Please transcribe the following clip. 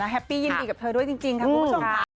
แฮปปี้ยินดีกับเธอด้วยจริงค่ะคุณผู้ชมค่ะ